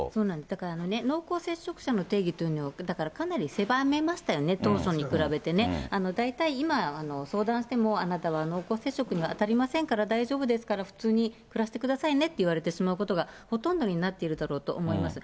だからね、濃厚接触者の定義というのをだからかなり狭めましたよね、当初に比べてね。大体今、相談してもあなたは濃厚接触には当たりませんから、大丈夫ですから、普通に暮らしてくださいねって言われてしまうことがほとんどになっているだろうと思います。